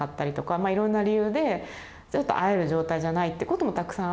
まあいろんな理由でちょっと会える状態じゃないってこともたくさんあって。